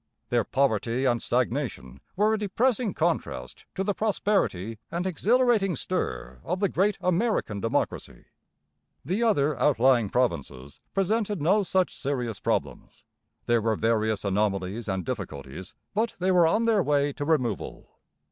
Their poverty and stagnation were a depressing contrast to the prosperity and exhilarating stir of the great American democracy. The other outlying provinces presented no such serious problems. There were various anomalies and difficulties; but they were on their way to removal.